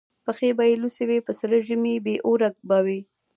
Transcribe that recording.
پښې به یې لوڅي وي په سره ژمي بې اوره به وي